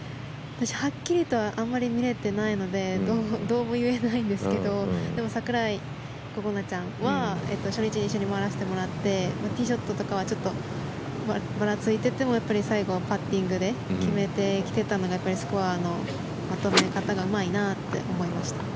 はっきりとあまり見れてないのでどうも言えないんですがでも櫻井心那ちゃんは初日、一緒に回らせてもらってティーショットとかはちょっとばらついていても最後はパッティングで決めてきていたのはスコアのまとめ方がうまいなって思いました。